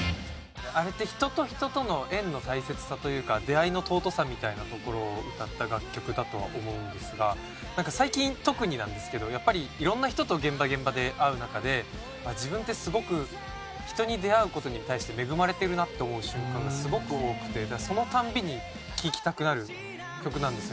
あれってみたいなところを歌った楽曲だとは思うんですがなんか最近特になんですけどやっぱり色んな人と現場現場で会う中で自分ってすごく人に出会う事に対して恵まれてるなって思う瞬間がすごく多くてだからその度に聴きたくなる曲なんですよ。